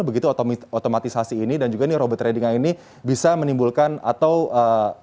begitu otomatisasi ini dan juga ini robot trading yang ini bisa menimbulkan atau bisa menyebabkan fraud bagi para investor